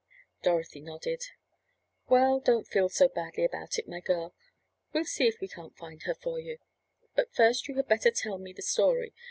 Dorothy nodded. "Well, don't feel so badly about it, my girl. We'll see if we can't find her for you. But first you had better tell me the story.